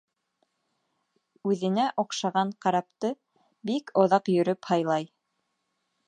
Үҙенә оҡшаған карапты бик оҙаҡ йөрөп һайлай.